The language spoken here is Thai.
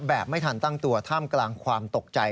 แบบไม่ทันตั้งตัวท่ามกลางความตกใจ